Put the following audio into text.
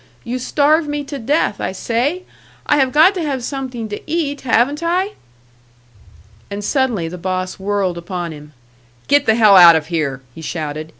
You starve me to death, I say! I have got to have something to eat, haven't I?" And suddenly the boss whirled upon him. "Get the hell out of here!" he shouted.